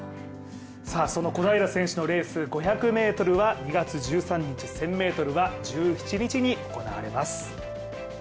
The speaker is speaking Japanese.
その小平選手のレース５００ｍは２月１３日、１０００ｍは２月１７日に行われます。